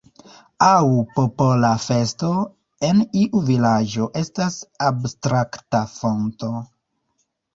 Aŭ popola festo en iu vilaĝo estas abstrakta fonto.